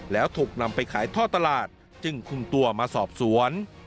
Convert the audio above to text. แล้วถูกนำไปขายท่อตลาดจึงคุมตัวมาสอบสวน